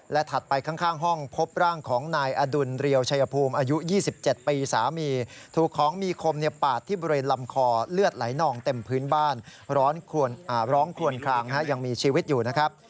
ถัดไปข้างห้องพบร่างของนายอดุลเรียวชัยภูมิอายุ๒๗ปีสามีถูกของมีคมปาดที่บริเวณลำคอเลือดไหลนองเต็มพื้นบ้านร้องคลวนคลางยังมีชีวิตอยู่นะครับ